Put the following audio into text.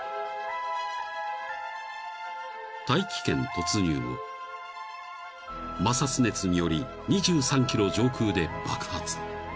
［大気圏突入後摩擦熱により２３ｋｍ上空で爆発］